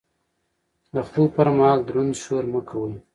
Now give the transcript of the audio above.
د خوب پر مهال دروند شور مه کوئ.